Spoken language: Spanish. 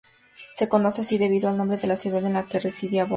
Se conoce así debido al nombre de la ciudad en la que residía Bohr.